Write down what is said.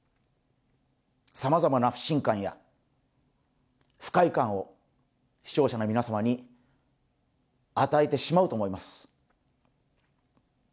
さまざまな不信感や不快感を視聴者の皆様に与えてしまうと思います。